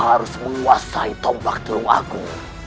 harus menguasai tombak jerung aku